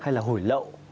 hay là hổi lậu